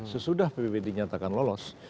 sesudah pbb dinyatakan lolos